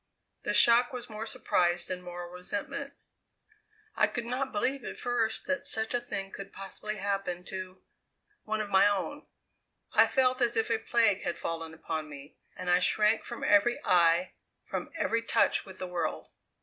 The shock was more surprise than moral resentment. I could not believe at first that such a thing could possibly happen to one of my own. I felt as if a plague had fallen upon me, and I shrank from every eye, from every touch with the world.